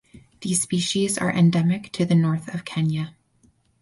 These species are endemic to the north of Kenya.